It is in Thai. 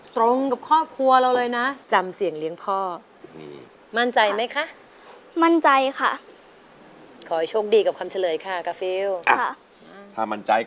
โทษใจโทษใจโทษใจโทษใจ